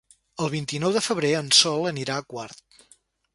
El vint-i-nou de febrer en Sol anirà a Quart.